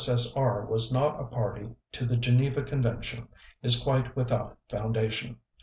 S.S.R. was not a party to the Geneva Convention, is quite without foundation.